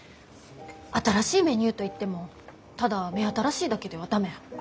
新しいメニューといってもただ目新しいだけでは駄目。